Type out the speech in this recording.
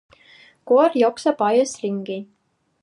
Koer jookseb aias ringi.